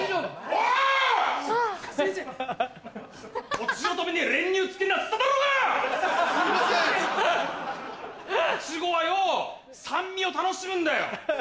イチゴはよぉ酸味を楽しむんだよ！